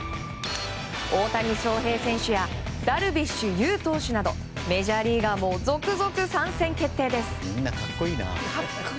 大谷翔平選手やダルビッシュ有投手などメジャーリーガーも続々参戦決定です。